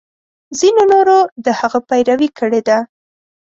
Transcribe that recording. ځینو نورو د هغه پیروي کړې ده.